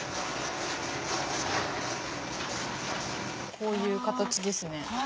こういう形ですね